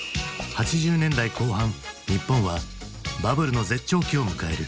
８０年代後半日本はバブルの絶頂期を迎える。